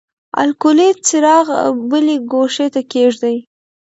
الکولي څراغ بلې ګوښې ته کیږدئ.